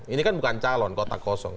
ini kan bukan calon kota kosong